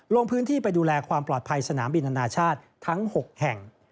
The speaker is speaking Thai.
ลงพื้นที่ไปดูแลความปลอดภัยสนามบินอนาชาติทั้ง๖แห่ง